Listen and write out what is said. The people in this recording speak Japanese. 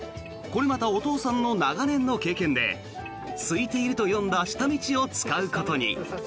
これまたお父さんの長年の経験ですいていると読んだ下道を使うことに。